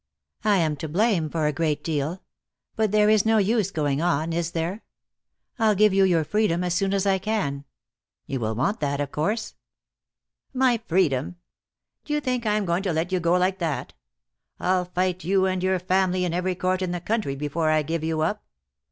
I am to blame for a great deal. But there is no use going on, is there? I'll give you your freedom as soon as I can. You will want that, of course." "My freedom! Do you think I am going to let you go like that? I'll fight you and your family in every court in the country before I give you up.